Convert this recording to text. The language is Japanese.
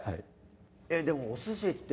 でもお寿司って